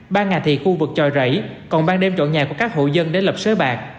ban ngà thị khu vực tròi rảy còn ban đêm chọn nhà của các hộ dân đến lập xới bạc